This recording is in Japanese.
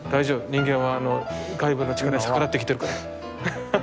人間は外部の力に逆らって生きてるから。